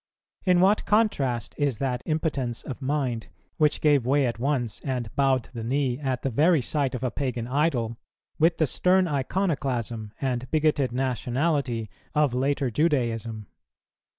In what contrast is that impotence of mind which gave way at once, and bowed the knee, at the very sight of a pagan idol, with the stern iconoclasm and bigoted nationality of later Judaism!